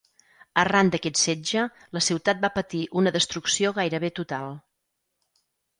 Arran d'aquest setge, la ciutat va patir una destrucció gairebé total.